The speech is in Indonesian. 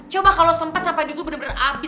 coba kalo sempet sampe di dulu bener bener abis